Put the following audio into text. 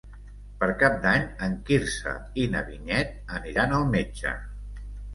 Per Cap d'Any en Quirze i na Vinyet aniran al metge.